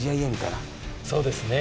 そうですね。